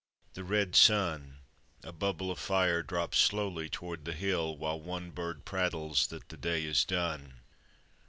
The red sun, A bubble of fire, drops slowly toward the hill, While one bird prattles that the day is done.